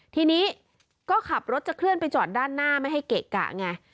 ทีนี้ก็ขับรถจะเคลื่อนไปจอดด้านหน้าไม่ให้เกะกะไง